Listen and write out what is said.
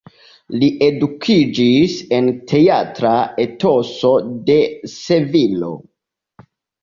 Li edukiĝis en teatra etoso de Sevilo.